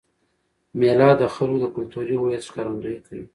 مېله د خلکو د کلتوري هویت ښکارندويي کوي.